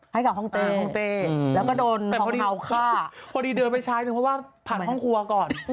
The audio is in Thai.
ให้กับห้องเต้ห้องเต้แล้วก็โดนเอาฆ่าพอดีเดินไปใช้หนึ่งเพราะว่าผ่านห้องครัวก่อน